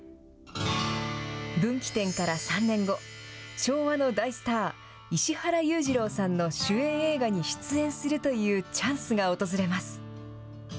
分岐点から３年後、昭和の大スター、石原裕次郎さんの主演映画に出演するというチャンスが訪れます。